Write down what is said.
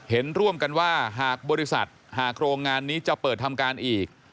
เห็นร่วมกันว่าหากบริษัทหากโรงงานนี้จะเปิดทำการอีก